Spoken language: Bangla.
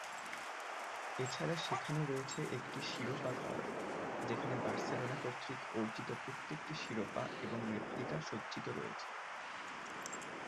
এছাড়া সেখানে রয়েছে একটি শিরোপা-ঘর, যেখানে বার্সেলোনা কর্তৃক অর্জিত প্রত্যেকটি শিরোপা এবং রেপ্লিকা সজ্জিত রয়েছে।